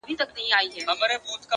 لوړ لید راتلونکی روښانه کوي.!